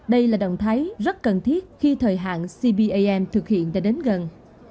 đây là động thái rất cần thiết khi thời hạn cban thực hiện đã đến gần